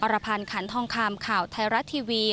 รพันธ์ขันทองคำข่าวไทยรัฐทีวี